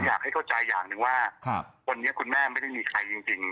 อยากให้เข้าใจอย่างหนึ่งว่าวันนี้คุณแม่ไม่ได้มีใครจริง